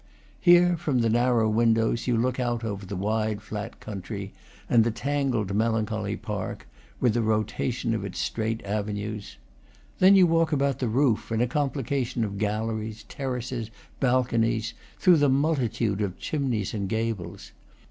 Here, from narrow windows, you look over the wide, flat country and the tangled, melancholy park, with the rotation of its straight avenues. Then you walk about the roof, in a complication of galleries, terraces, balconies, through the multitude of chimneys and gables.